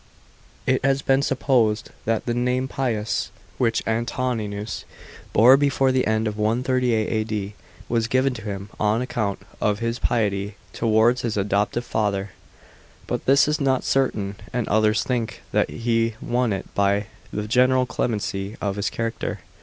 It has been supposed that the name Pius, which Antoninus bore before the end of 138 A.D., was given to him on account of his piety tow ards his adoptive father ; but this is not certain, and others think that he won it by the general clemency of his character.